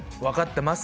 分かった。